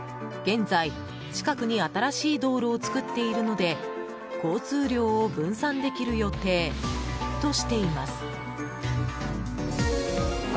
現在、近くに新しい道路を作っているので交通量を分散できる予定としています。